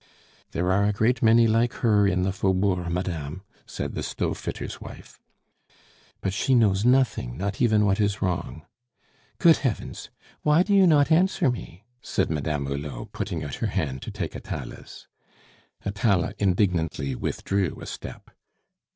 "There are a great many like her in the Faubourg, madame," said the stove fitter's wife. "But she knows nothing not even what is wrong. Good Heavens! Why do you not answer me?" said Madame Hulot, putting out her hand to take Atala's. Atala indignantly withdrew a step.